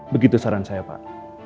begitu saran saya pak